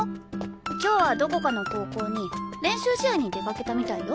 今日はどこかの高校に練習試合に出掛けたみたいよ。